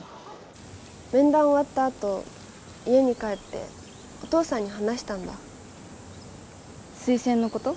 面談終わったあと家に帰ってお父さんに話したんだ推薦のこと？